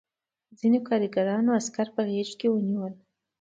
ځینو کارګرانو عسکر په غېږ کې ونیول